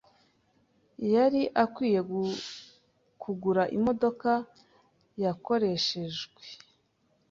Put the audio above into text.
Yari akwiye kugura imodoka yakoreshejwe.